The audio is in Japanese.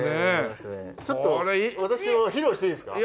ちょっと私も披露していいですか？